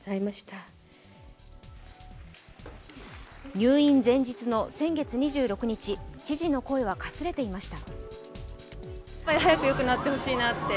入院前日の先月２６日、知事の声はかすれていました。